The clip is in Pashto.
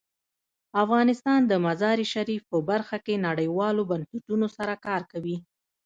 افغانستان د مزارشریف په برخه کې نړیوالو بنسټونو سره کار کوي.